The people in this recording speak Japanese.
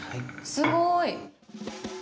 すごい！